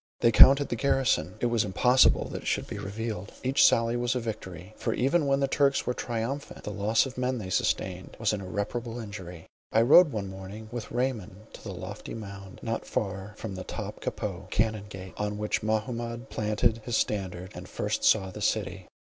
They counted the garrison; it was impossible that it should be relieved; each sally was a victory; for, even when the Turks were triumphant, the loss of men they sustained was an irreparable injury. I rode one morning with Raymond to the lofty mound, not far from the Top Kapou, (Cannon gate), on which Mahmoud planted his standard, and first saw the city.